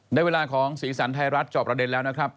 ได้เวลาของสีสันไทยรัฐจอบประเด็นแล้วนะครับ